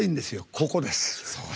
ここです。